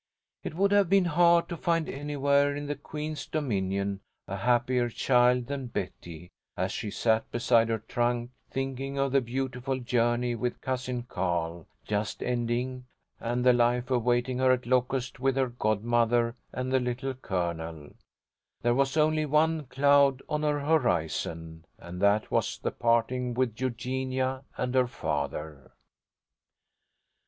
It would have been hard to find anywhere in the queen's dominion, a happier child than Betty, as she sat beside her trunk, thinking of the beautiful journey with Cousin Carl, just ending, and the life awaiting her at Locust with her godmother and the Little Colonel. There was only one cloud on her horizon, and that was the parting with Eugenia and her father.